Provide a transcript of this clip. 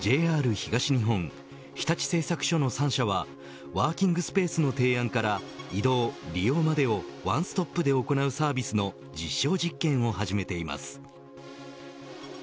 ＪＲ東日本日立製作所の３社はワーキングスペースの提案から移動、利用までをワンストップで行うサービスの実証実験を始めています。